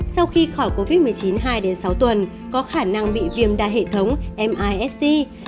sau khi khỏi covid một mươi chín hai sáu tuần có khả năng bị viêm đa hệ thống misc